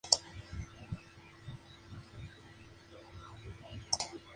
Se vuelve externo en psiquiatría en el hospital Sainte-Anne.